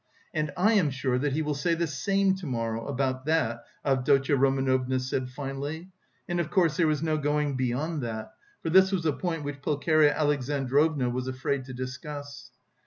"And I am sure that he will say the same to morrow... about that," Avdotya Romanovna said finally. And, of course, there was no going beyond that, for this was a point which Pulcheria Alexandrovna was afraid to discuss.